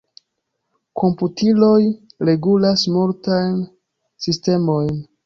Komputiloj regulas multajn sistemojn.